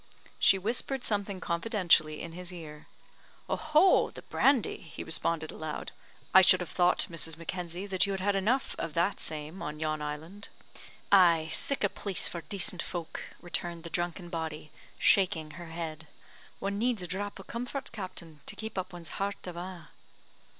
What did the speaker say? She whispered something confidentially in his ear. "Oh, ho! the brandy!" he responded aloud. "I should have thought, Mrs. Mackenzie, that you had had enough of that same on yon island?" "Aye, sic a place for decent folk," returned the drunken body, shaking her head. "One needs a drap o' comfort, captain, to keep up one's heart ava."